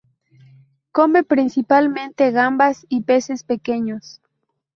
Come principalmente gambas y peces pequeños.